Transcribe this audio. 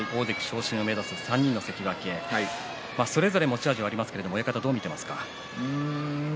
大関昇進を目指す３人それぞれ持ち味がありますよねどう見ていますか。